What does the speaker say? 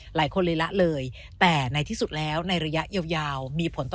หลายคนเลยละเลยแต่ในที่สุดแล้วในระยะยาวมีผลต่อ